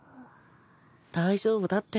大丈夫だって。